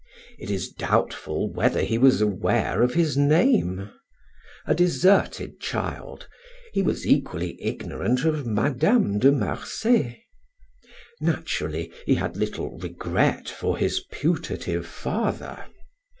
It is doubtful whether he was aware of his name. A deserted child, he was equally ignorant of Madame de Marsay. Naturally, he had little regret for his putative father.